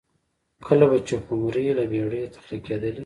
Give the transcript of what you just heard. کله به چې خُمرې له بېړۍ تخلیه کېدلې